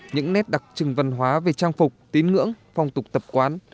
những nét đặc trưng văn hóa về trang phục tín ngưỡng phong tục tập quán